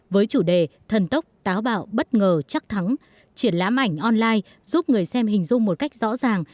với chủ đề thần tốc táo bạo bất ngờ chắc thắng triển lãm ảnh online giúp người xem hình dung một cách rõ ràng